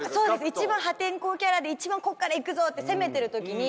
一番破天荒キャラで一番ここからいくぞ！って攻めてる時にご一緒して。